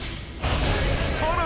［さらに］